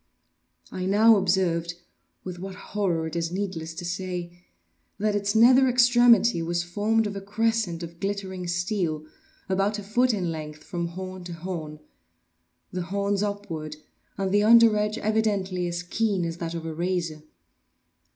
I now observed—with what horror it is needless to say—that its nether extremity was formed of a crescent of glittering steel, about a foot in length from horn to horn; the horns upward, and the under edge evidently as keen as that of a razor.